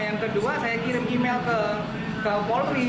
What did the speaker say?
yang kedua saya kirim email ke polri